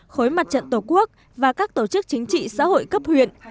khối mặt trận tổ quốc và các tổ chức chính trị xã hội cấp huyện